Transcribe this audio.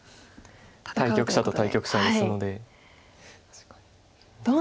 対局者と対局者ですので。